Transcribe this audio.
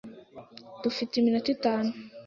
Dufite iminota itanu.